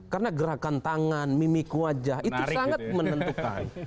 karena gerakan tangan mimik wajah itu sangat menentukan